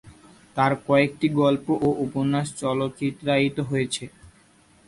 তার কয়েকটি গল্প ও উপন্যাস চলচ্চিত্রায়িত হয়েছে।